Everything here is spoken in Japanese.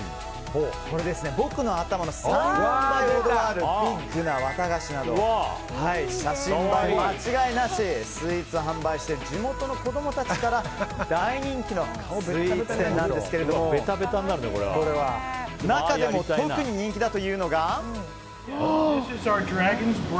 僕の頭の３４倍ほどあるビッグな綿菓子など写真映え間違いなしのスイーツを販売している地元の子供たちから大人気のスイーツ店なんですが中でも特に人気だというのが。